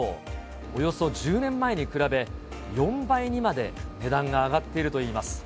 およそ１０年前に比べ、４倍にまで値段が上がっているといいます。